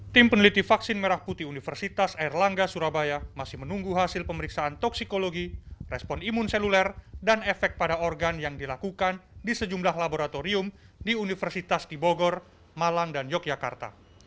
tim peneliti vaksin merah putih universitas airlangga surabaya masih menunggu hasil pemeriksaan toksikologi respon imun seluler dan efek pada organ yang dilakukan di sejumlah laboratorium di universitas di bogor malang dan yogyakarta